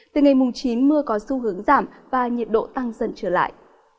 từ ngày mùng chín mưa có xu hướng giảm và nhiệt độ tăng dần trở lại